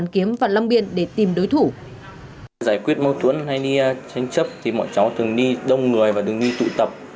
khi tránh chấp thì bọn chó thường đi đông người và đừng đi tụ tập